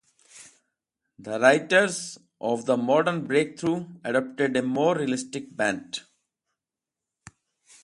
The writers of the Modern Breakthrough adopted a more realistic bent.